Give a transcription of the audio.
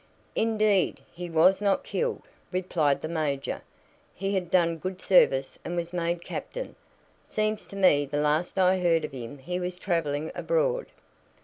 "Indeed, he was not killed," replied the major. "He had done good service and was made captain. Seems to me the last I heard of him he was traveling abroad."